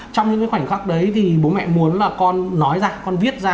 thì bố mẹ muốn là con nói ra con viết ra